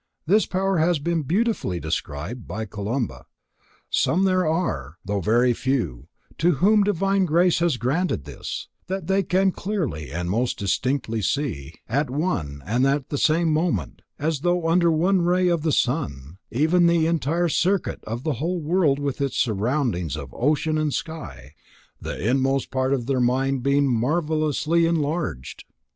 This power has been beautifully described by Columba: "Some there are, though very few, to whom Divine grace has granted this: that they can clearly and most distinctly see, at one and the same moment, as though under one ray of the sun, even the entire circuit of the whole world with its surroundings of ocean and sky, the inmost part of their mind being marvellously enlarged."